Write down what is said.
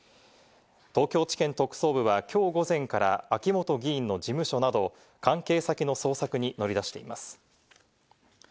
東京地検特捜部はきょう午前から、秋本議員の事務所など、関係先の捜索に乗り出しています。